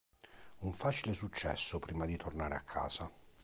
Un facile successo prima di tornare a casa.